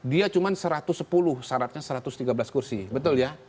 dia cuma satu ratus sepuluh syaratnya satu ratus tiga belas kursi betul ya